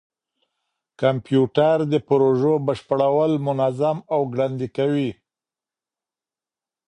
کمپيوټر د پروژو بشپړول منظم او ګړندي کوي.